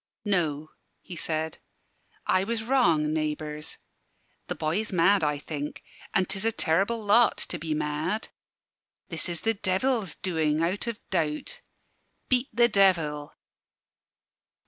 "No," he said, "I was wrong, naybours. The boy is mad, I think; an' 'tis a terrible lot, to be mad. This is the Devil's doing, out o' doubt. Beat the Devil."